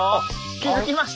気付きました？